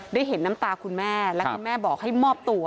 ได้เห็นน้ำตาคุณแม่และคุณแม่บอกให้มอบตัว